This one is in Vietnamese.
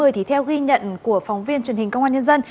thì theo ghi nhận của phóng viên truyền hình công an nhân dân